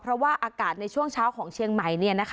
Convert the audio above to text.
เพราะว่าอากาศในช่วงเช้าของเชียงใหม่